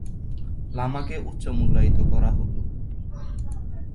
লামাকে উচ্চ মূল্যায়িত করা হতো।